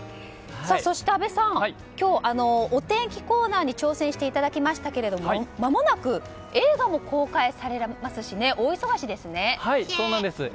そして阿部さん、今日お天気コーナーに挑戦していただきましたけれどもまもなく映画も公開されますし大忙しですね。